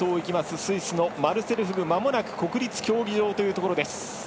スイスのマルセル・フグまもなく国立競技場というところ。